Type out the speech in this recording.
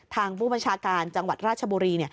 ทางผู้บัญชาการจังหวัดราชบุรี